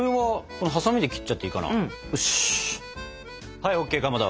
はいＯＫかまど！